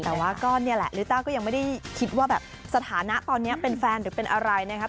แต่ว่าก็นี่แหละลิต้าก็ยังไม่ได้คิดว่าแบบสถานะตอนนี้เป็นแฟนหรือเป็นอะไรนะครับ